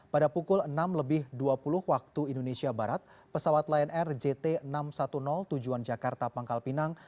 pada pukul enam lebih dua puluh waktu indonesia barat pesawat lion air jt enam ratus sepuluh tujuan jakarta pangkal pinang